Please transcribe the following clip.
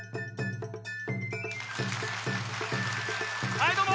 はいどうも！